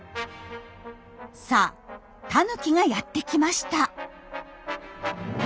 さあタヌキがやって来ました。